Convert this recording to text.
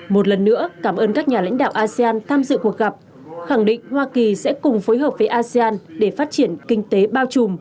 một lần nữa cảm ơn các nhà lãnh đạo asean tham dự cuộc gặp khẳng định hoa kỳ sẽ cùng phối hợp với asean để phát triển kinh tế bao trùm